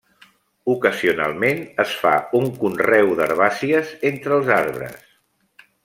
Ocasionalment es fa un conreu d'herbàcies entre els arbres.